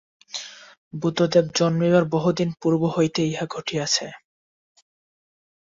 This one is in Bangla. বুদ্ধদেব জন্মিবার বহুদিন পূর্ব হইতেই ইহা ঘটিয়াছে।